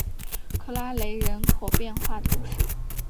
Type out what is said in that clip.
克拉雷人口变化图示